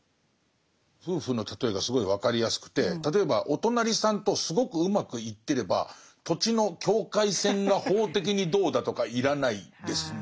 夫婦の例えがすごい分かりやすくて例えばお隣さんとすごくうまくいってれば土地の境界線が法的にどうだとか要らないですもんね。